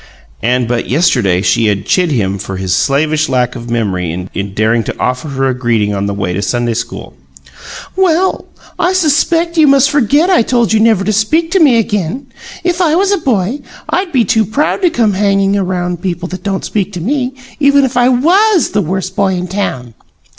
And but yesterday she had chid him for his slavish lack of memory in daring to offer her a greeting on the way to Sunday school. "Well! I expect you must forgot I told you never to speak to me again! If I was a boy, I'd be too proud to come hanging around people that don't speak to me, even if I WAS the Worst Boy in Town!"